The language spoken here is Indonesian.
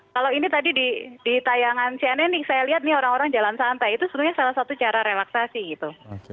kalau ini tadi di tayangan cnn saya lihat nih orang orang jalan santai itu sebenarnya salah satu cara relaksasi gitu